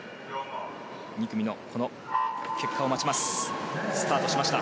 ２組の結果を待ちます。